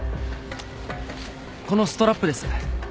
このストラップです。